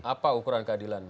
apa ukuran keadilan